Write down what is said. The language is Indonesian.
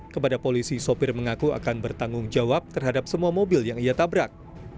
kepada polisi sopir mengaku akan bertanggung jawab terhadap semua mobil yang ia tabrak